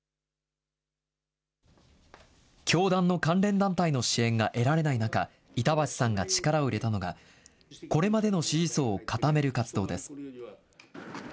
教団の関連団体の支援が得られない中、板橋さんが力を入れたのが、これまでの支持層を固める活動です。